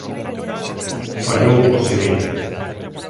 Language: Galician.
Fallou o Sevilla.